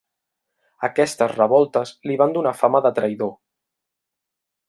Aquestes revoltes li van donar fama de traïdor.